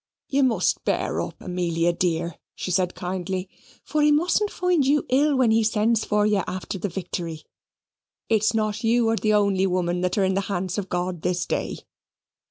"You must bear up, Amelia, dear," she said kindly, "for he mustn't find you ill when he sends for you after the victory. It's not you are the only woman that are in the hands of God this day."